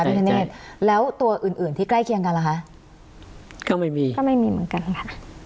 พิธเนธแล้วตัวอื่นอื่นที่ใกล้เคียงกันล่ะคะก็ไม่มีก็ไม่มีเหมือนกันค่ะ